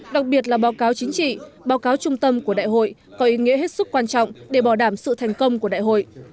đặc biệt là báo cáo chính trị báo cáo trung tâm của đại hội có ý nghĩa hết sức quan trọng để bảo đảm sự thành công của đại hội